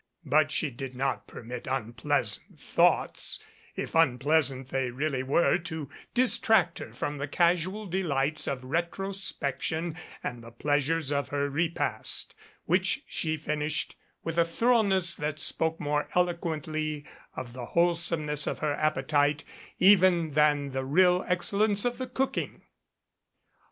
But she did not permit unpleasant 3 MADCAP thoughts, if unpleasant they really were, to distract her from the casual delights of retrospection and the pleas ures of her repast, which she finished with a thoroughness that spoke more eloquently of the wholesomeness of her appetite even than the real excellence of the cooking.